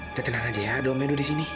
udah tenang aja ya domennya udah di sini